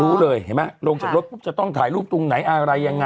รู้เลยเห็นไหมลงจากรถปุ๊บจะต้องถ่ายรูปตรงไหนอะไรยังไง